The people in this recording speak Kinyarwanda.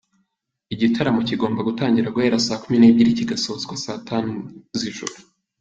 Igitaramo kigomba gutangira guhera saa kumi n’ebyiri kigasozwa saa tanu z’ijoro.